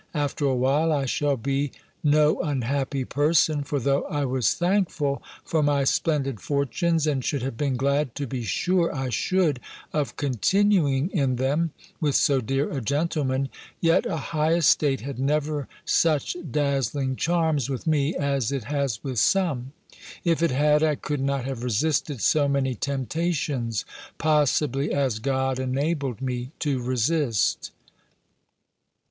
After a while, I shall be no unhappy person; for though I was thankful for my splendid fortunes, and should have been glad, to be sure I should, of continuing in them, with so dear a gentleman; yet a high estate had never such dazzling charms with me as it has with some: if it had, I could not have resisted so many temptations, possibly, as God enabled me to resist.